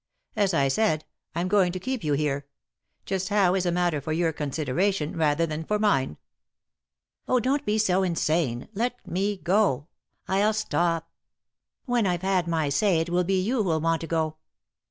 As I said, I'm going to keep you here ; just how is a matter for your con sideration rather than for mine." " Oh, don't be so insane I — let me go I — I'll stop. When I've had my say it will be you who'll want to go."